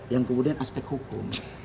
yang kemudian aspek hukum